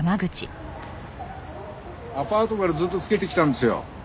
アパートからずっとつけてきたんですよ。